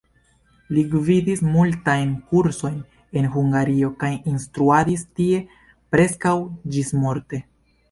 Li gvidis multajn kursojn en Hungario, kaj instruadis tie preskaŭ ĝis-morte.